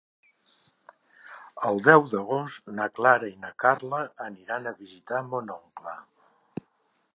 El deu d'agost na Clara i na Carla aniran a visitar mon oncle.